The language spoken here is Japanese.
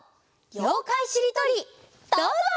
「ようかいしりとり」どうぞ！